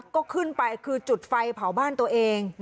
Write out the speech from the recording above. ก็ขึ้นไปคือจุดไฟเผาบ้านตัวเอง